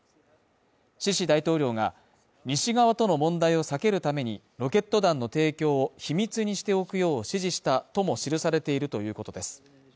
シシ大統領が西側との問題を避けるために、ロケット弾の提供を秘密にしておくよう指示したとも記されているということです。